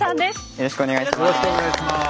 よろしくお願いします。